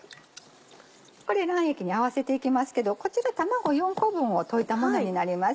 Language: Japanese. これ卵液に合わせていきますけどこちら卵４個分を溶いたものになります。